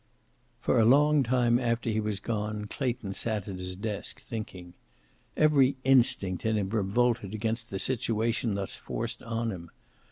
For a long time after he was gone Clayton sat at his desk, thinking. Every instinct in him revolted against the situation thus forced on him.